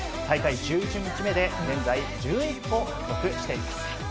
大会１１日目で現在１１個、獲得しています。